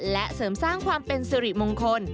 และเสริมสร้างความเป็นสิริมงคล